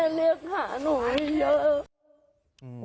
ให้แม่เรียกหาหนูเยอะ